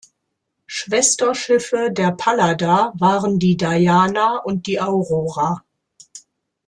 Schwesterschiffe der "Pallada" waren die "Diana" und die "Aurora".